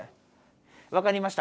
わかりました。